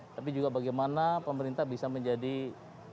tapi juga bagaimana pemerintah bisa menjadi content creator dan manajer